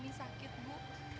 umi sakit bu